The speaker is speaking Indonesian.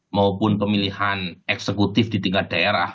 maupun pemilihan eksekutif di tingkat daerah